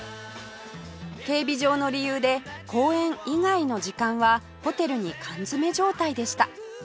警備上の理由で公演以外の時間はホテルに缶詰め状態でした